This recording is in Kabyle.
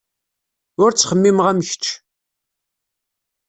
Ur ttxemmimeɣ am kečč.